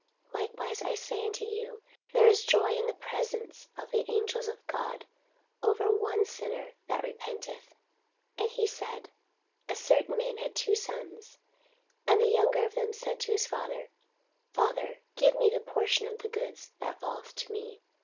Likewise, I say unto you, there is joy in the presence of the angels of God over one sinner that repenteth. And he said, A certain man had two sons: and the younger of them said to his father, Father, give me the portion of goods that falleth to me.